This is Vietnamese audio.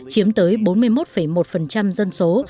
chiếm tới bốn mươi một một dân số